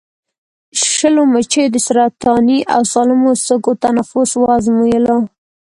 شلو مچیو د سرطاني او سالمو سږو تنفس وازمویلو.